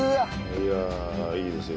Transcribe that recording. いやあいいですよ。